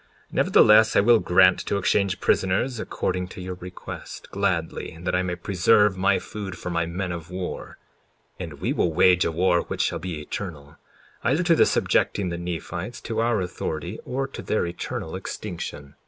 54:20 Nevertheless, I will grant to exchange prisoners according to your request, gladly, that I may preserve my food for my men of war; and we will wage a war which shall be eternal, either to the subjecting the Nephites to our authority or to their eternal extinction.